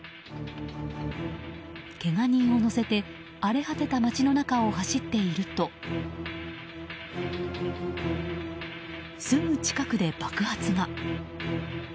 けが人を乗せて荒れ果てた街の中を走っているとすぐ近くで爆発が。